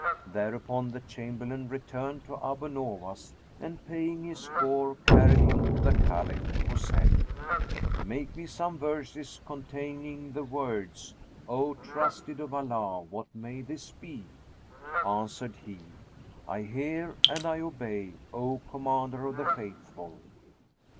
Thereupon the Chamberlain returned to Abu Nowas and, paying his score, carried him to the Caliph, who said, "Make me some verses containing the words, O Trusted of Allah, what may this be?" Answered he, "I hear and I obey, O Commander of the Faithful."